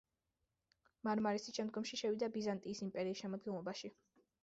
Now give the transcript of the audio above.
მარმარისი შემდგომში შევიდა ბიზანტიის იმპერიის შემადგენლობაში.